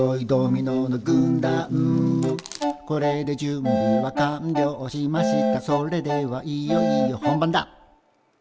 「これで準備は完了しましたそれではいよいよ本番だ」